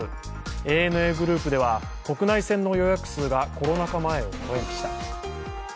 ＡＮＡグループでは、国内線の予約数がコロナ禍前を超えました。